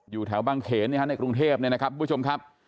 อยู่แถวบ้างเขนนะครับในกรุงเทพฯนะครับผู้ชมครับ